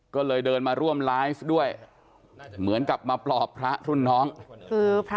ก็เลยเดินมาร่วมไลฟ์ด้วยเหมือนกับมาปลอบพระรุ่นน้องคือพระ